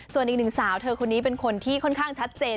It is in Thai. ส่วนอีกหนึ่งสาวเธอคนนี้เป็นคนที่ค่อนข้างชัดเจน